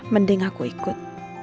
mending aku ikut